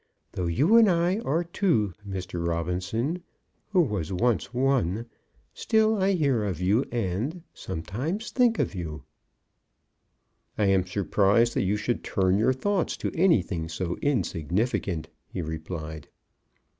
Though you and I are two, Mr. Robinson, who was once one, still I hear of you, and sometimes think of you." "I am surprised that you should turn your thoughts to anything so insignificant," he replied.